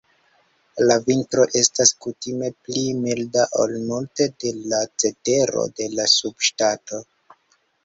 La vintro estas kutime pli milda ol multe de la cetero de la subŝtato.